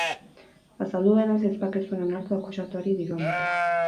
Azaldu duenez, ahizpak ez zuen onartu akusatuari dirua ematea.